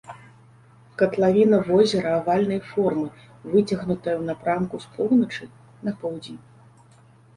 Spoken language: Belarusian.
Катлавіна возера авальнай формы, выцягнутая ў напрамку з поўначы на поўдзень.